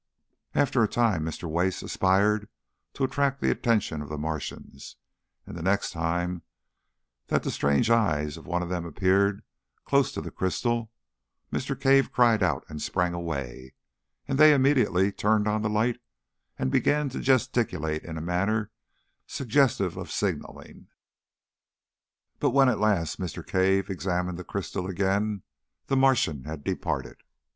After a time Mr. Wace aspired to attract the attention of the Martians, and the next time that the strange eyes of one of them appeared close to the crystal Mr. Cave cried out and sprang away, and they immediately turned on the light and began to gesticulate in a manner suggestive of signalling. But when at last Mr. Cave examined the crystal again the Martian had departed.